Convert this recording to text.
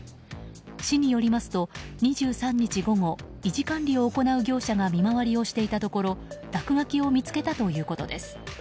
市によりますと２３日午後維持・管理を行う業者が見回りをしていたところ落書きを見つけたということです。